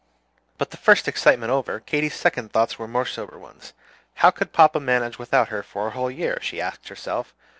But, the first excitement over, Katy's second thoughts were more sober ones. How could papa manage without her for a whole year, she asked herself.